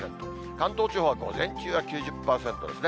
関東地方は午前中は９０％ですね。